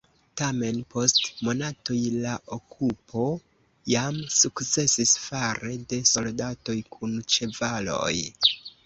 Tamen post monatoj la okupo jam sukcesis fare de soldatoj kun ĉevaloj.